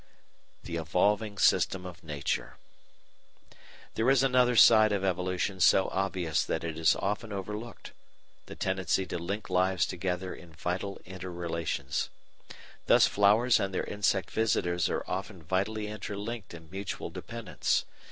THE EVOLVING SYSTEM OF NATURE There is another side of evolution so obvious that it is often overlooked, the tendency to link lives together in vital inter relations. Thus flowers and their insect visitors are often vitally interlinked in mutual dependence.